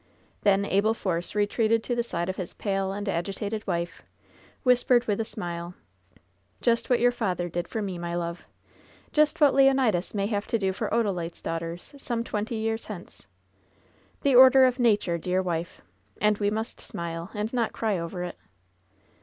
Then Abel Force retreated to the side of his pale and agitated wife, whispered with a smile : "Just what your father did for me, my love I Just what Leonidas may have to do for Odalite's daughters some twenty years hence! The order of nature, dear wife ! And we must smile and not cry over it."